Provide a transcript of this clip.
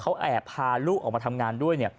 เขาแอบพาลูกออกมาทำงานด้วย